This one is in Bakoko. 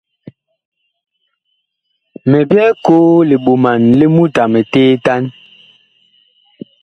Mi byɛɛ koo li ɓoman li mut a miteetan.